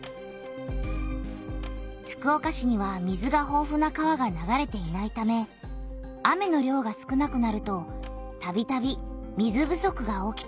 福岡市には水がほうふな川が流れていないため雨の量が少なくなるとたびたび水不足が起きていた。